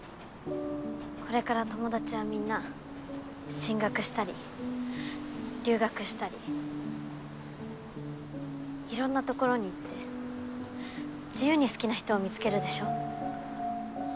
これから友達はみんな進学したり留学色んな所に行って自由に好きな人を見つけるでしょ